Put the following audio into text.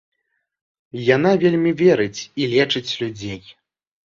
Яна вельмі верыць і лечыць людзей.